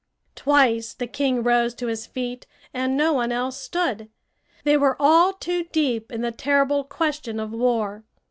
Twice the king rose to his feet, and no one else stood. They were all too deep in the terrible question of war.